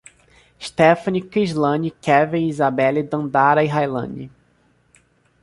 Stefane, Crislane, Keven, Isabelly, Dandara e Railane